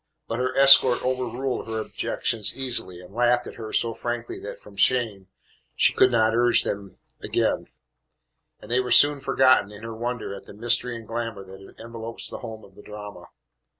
But her escort overruled her objections easily, and laughed at her so frankly that from very shame she could not urge them again, and they were soon forgotten in her wonder at the mystery and glamour that envelops the home of the drama.